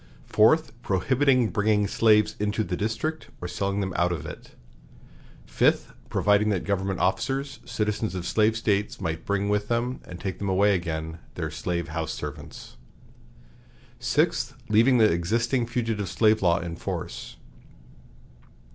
Fourth. Prohibiting bringing slaves into the District, or selling them out of it. Fifth. Providing that government officers, citizens of slave States, might bring with them and take away again, their slave house servants. Sixth. Leaving the existing fugitive slave law in force.